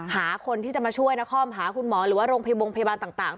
หาคนที่จะมาช่วยนครหาคุณหมอหรือว่าโรงพยาบาลต่าง